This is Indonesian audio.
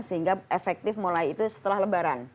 sehingga efektif mulai itu setelah lebaran